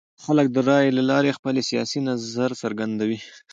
خلک د رایې له لارې خپل سیاسي نظر څرګندوي